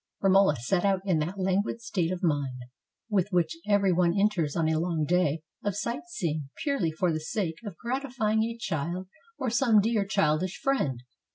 Romola set out in that languid state of mind with which every one enters on a long day of sight seeing purely for the sake of gratifying a child or some dear childish friend.